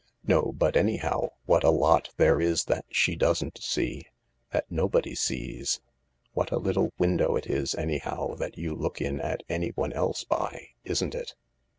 "No, but anyhow, what a lot there is that she doesn't see — that nobody sees. What a little window it is, anyhow, that you look in at anyone else by, isn't it